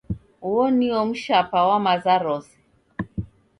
Uo nio mshapa wa maza rose.